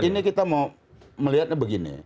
ini kita mau melihatnya begini